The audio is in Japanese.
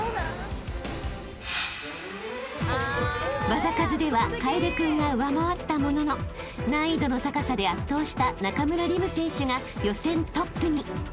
［技数では楓君が上回ったものの難易度の高さで圧倒した中村輪夢選手が予選トップに］